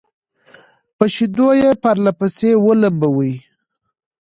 په شيدو يې پرله پسې ولمبوي